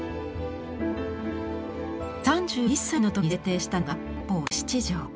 ３１歳の時に制定したのが憲法十七条。